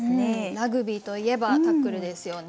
ラグビーといえばタックルですよね。